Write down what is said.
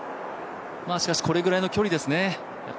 しかし、これぐらいの距離ですね。